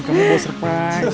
kamu bawa surprise